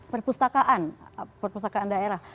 perpustakaan perpustakaan daerah